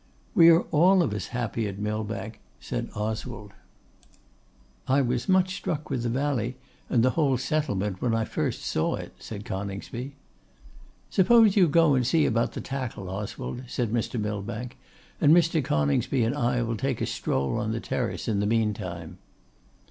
'We are all of us happy at Millbank,' said Oswald. 'I was much struck with the valley and the whole settlement when I first saw it,' said Coningsby. 'Suppose you go and see about the tackle, Oswald,' said Mr. Millbank, 'and Mr. Coningsby and I will take a stroll on the terrace in the meantime.